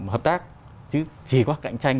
đối tác chứ chỉ có cạnh tranh